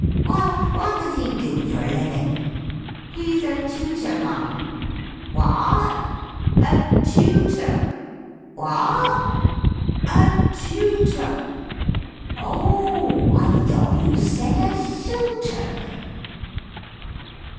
Well, what does he do for a living?" "He's a tutor, Ma'am." "What?" "A TUTOR." "What?" "A TUTOR." "Oh o oh! I thought you said a suitor!"